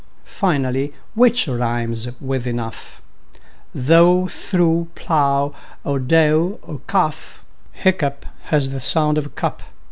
Finally: which rimes with "enough," Though, through, plough, cough, hough, or tough? Hiccough has the sound of "cup"......